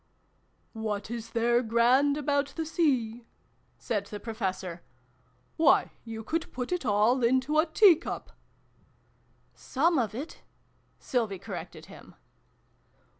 " What is there grand about the Sea ?" said the Professor. " Why, you could put it all into a teacup !"" Some of it," Sylvie corrected him.